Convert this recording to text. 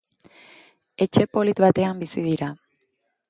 Etxe polit batean bizi dira.